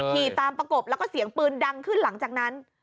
ขี่ตามประกบแล้วก็เสียงปืนดังขึ้นหลังจากนั้น